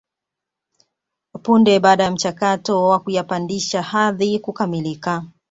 Punde baada ya mchakato wa kuyapandisha hadhi kukamilika